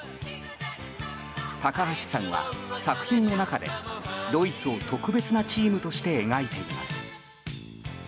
高橋さんは作品の中でドイツを特別なチームとして描いています。